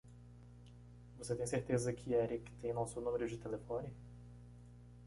Você tem certeza que Erik tem nosso número de telefone?